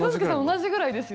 同じぐらいですよ。